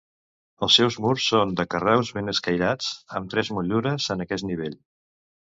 Els seus murs són de carreus ben escairats amb tres motllures en aquest nivell.